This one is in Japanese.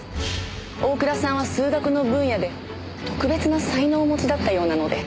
大倉さんは数学の分野で特別な才能をお持ちだったようなので。